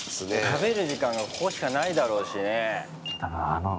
食べる時間がここしかないだろうしね。